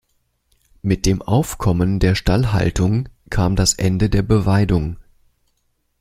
Mit dem Aufkommen der Stallhaltung kam das Ende der Beweidung.